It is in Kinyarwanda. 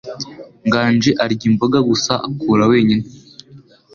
Nganji arya imboga gusa akura wenyine.